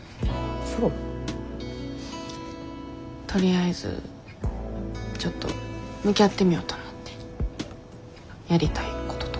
とりあえずちょっと向き合ってみようと思ってやりたいこととか。